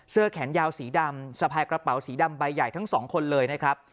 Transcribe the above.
แขนยาวสีดำสะพายกระเป๋าสีดำใบใหญ่ทั้งสองคนเลยนะครับ